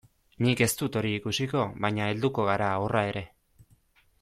Nik ez dut hori ikusiko, baina helduko gara horra ere.